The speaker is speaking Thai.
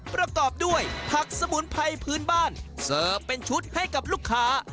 ประกอบด้วยผักสมุนไพรพื้นบ้านเสิร์ฟเป็นชุดให้กับลูกค้า